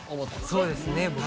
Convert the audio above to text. そうですね。